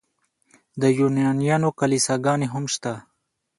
د یونانیانو کلیساګانې هم شته.